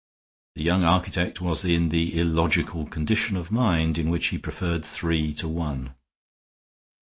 The young architect was in the illogical condition of mind in which he preferred three to one.